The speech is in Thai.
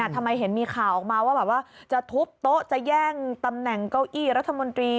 ทำไมเห็นมีข่าวออกมาว่าแบบว่าจะทุบโต๊ะจะแย่งตำแหน่งเก้าอี้รัฐมนตรี